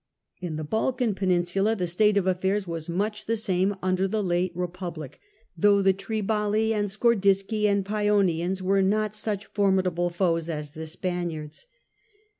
In the Balkan peninsula the state of affairs was much the same under the later Republic, though the Triballi and Scordisci and Pasonians were not such formidable foes as the Spaniards.